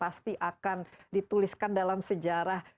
pasti akan dituliskan dalam sejarah